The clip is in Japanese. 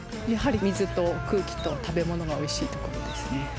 やはり水と空気と食べ物がおいしいところですね。